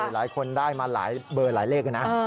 หลายคนได้มาหลายเบอร์หลายเลขนะ